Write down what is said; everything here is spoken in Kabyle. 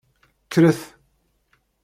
Kkret.